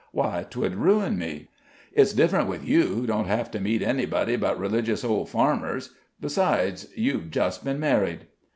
Why, 'twould ruin me. It's different with you who don't have to meet anybody but religious old farmers. Besides, you've just been married."